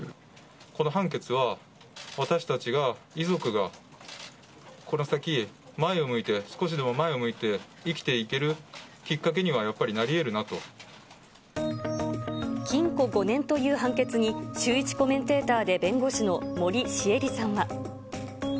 この判決は私たちが、遺族が、この先、前を向いて、少しでも前を向いて生きていける、きっかけにはやっぱりなりえるな禁錮５年という判決に、シューイチコメンテーターで弁護士の森詩絵里さんは。